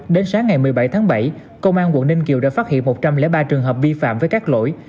đến sáng ngày một mươi bảy tháng bảy công an quận ninh kiều đã phát hiện một trăm linh ba trường hợp vi phạm với các lỗi